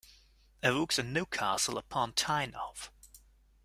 Er wuchs in Newcastle upon Tyne auf.